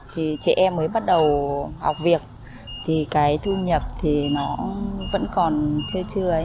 thì trẻ em mới bắt đầu học việc thì cái thu nhập thì nó vẫn còn chơi chơi ấy